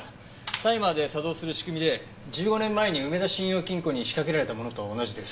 タイマーで作動する仕組みで１５年前に梅田信用金庫に仕掛けられたものと同じです。